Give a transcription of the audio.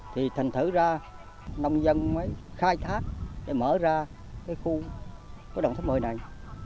thì thành thử ra nông dân mới khai thác để mở ra cái khu cái đồng tháp một mươi này